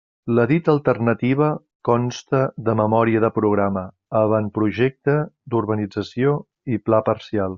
La dita alternativa consta de memòria de programa, avantprojecte d'urbanització i pla parcial.